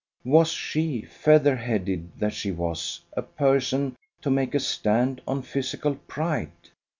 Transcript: Was she, feather headed that she was, a person to make a stand on physical pride?